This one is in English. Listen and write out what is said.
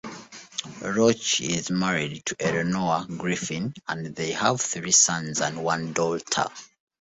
Roche is married to Eleanor Griffin, and they have three sons and one daughter.